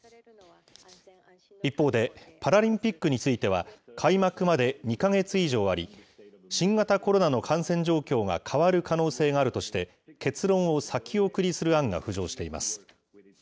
一方で、パラリンピックについては、開幕まで２か月以上あり、新型コロナの感染状況が変わる可能性があるとして、結論を先送りする案が浮上しています。